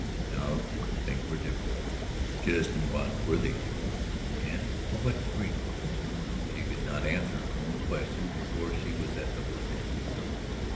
Now things were different. Just in what were they "different" and to what degree? She could not answer her own question before she was at the hotel.